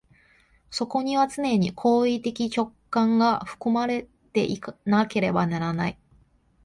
そこには既に行為的直観が含まれていなければならない。